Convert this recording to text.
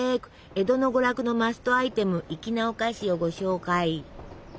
江戸の娯楽のマストアイテム粋なお菓子をご紹介。